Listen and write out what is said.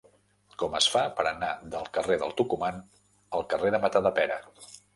Com es fa per anar del carrer de Tucumán al carrer de Matadepera?